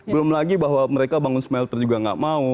belum lagi bahwa mereka bangun smelter juga nggak mau